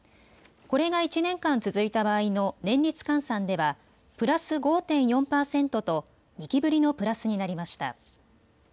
これが１年間続いた場合の年率換算ではプラス５．４％と２期ぶりのプラスになりました。